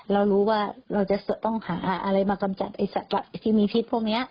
เรารู้ว่าเราจะต้องหาอะไรมากำจัดไอ้สัตว์ที่มีพิษพวกนี้